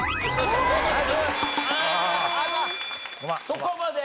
そこまで！